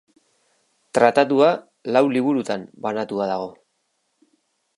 Tratatua lau liburutan banatua dago.